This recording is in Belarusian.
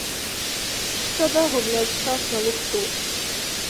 Шкада губляць час на лухту.